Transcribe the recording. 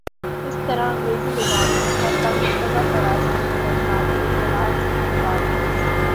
اس طرح انگریزی زبان میں ''ہر بار مشتبہ ٹھہرائے جانے والے افراد "کی اصطلاح متعارف ہوئی۔